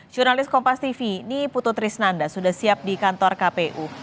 jurnalis kompas tv niputu trisnanda sudah siap di kantor kpu